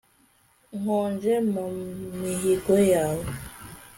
nkonje mu mihigo yawe